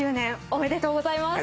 おめでとうございます。